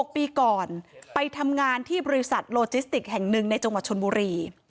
๖ปีก่อนไปทำงานที่บริษัทโลจิสติกแห่งหนึ่งในจังหวัดชนบุรี